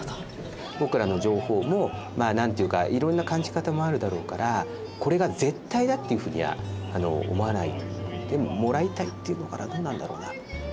僕らの情報もまあ何て言うかいろんな感じ方もあるだろうからこれが絶対だっていうふうには思わないでもらいたいっていうのかなどうなんだろうな。